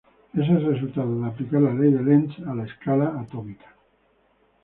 Es el resultado de aplicar la ley de Lenz a la escala atómica.